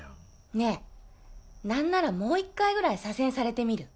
ねぇ何ならもう１回ぐらい左遷されてみる？